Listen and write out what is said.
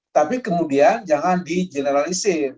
tapi kemudian jangan di generalisir